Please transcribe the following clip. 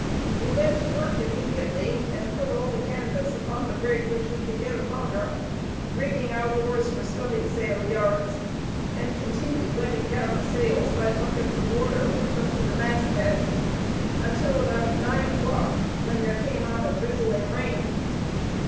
We went to work immediately, and put all the canvas upon the brig which we could get upon her, rigging out oars for studding sail yards; and continued wetting down the sails by buckets of water whipped up to the mast head, until about nine o'clock, when there came on a drizzling rain.